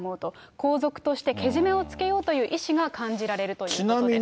皇族としてけじめをつけようという意志が感じられるということです。